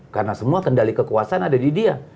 karena semua kendali kekuasaan ada di dia